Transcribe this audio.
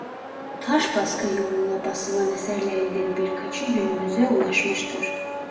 Taşbaskı yoluyla basılan eserlerinden birkaçı günümüze ulaşmıştır.